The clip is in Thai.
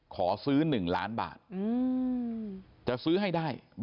ขอซื้อ๑ล้านบาทจะซื้อให้ได้